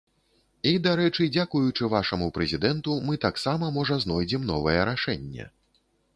І, дарэчы, дзякуючы вашаму прэзідэнту, мы таксама, можа, знойдзем новае рашэнне!